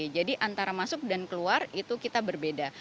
jadi antara masuk dan keluar itu kita berbeda